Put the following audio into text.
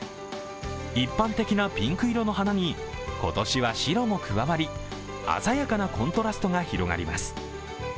一般的なピンク色の花に今年は白も加わり鮮やかなコントラストが広がります。